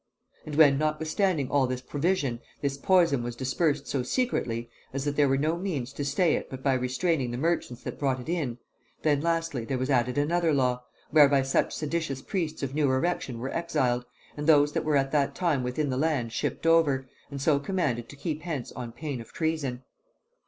And when, notwithstanding all this provision, this poison was dispersed so secretly, as that there were no means to stay it but by restraining the merchants that brought it in; then, lastly, there was added another law, whereby such seditious priests of new erection were exiled, and those that were at that time within the land shipped over, and so commanded to keep hence on pain of treason.